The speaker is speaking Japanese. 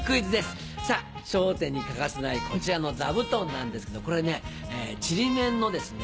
『笑点』に欠かせないこちらの座布団なんですけどこれねちりめんのですね